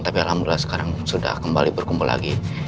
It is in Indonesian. tapi alhamdulillah sekarang sudah kembali berkumpul lagi